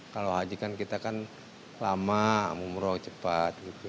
kalau haji kan kita kan lama umroh cepat